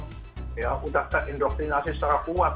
sudah terindoktrinasi secara kuat